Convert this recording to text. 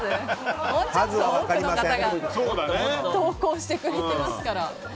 もうちょっと多くの方が投稿してくれてますから。